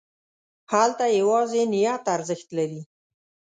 هلته یوازې نیت ارزښت لري.